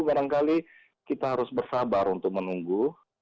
barangkali kita harus bersabar untuk menunggu